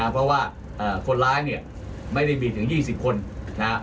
เพราะว่าคนร้ายไม่ได้มีถึง๒๐คน